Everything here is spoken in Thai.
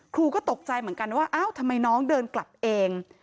ก็ตกใจเหมือนกันว่าอ้าวทำไมน้องเดินกลับเอง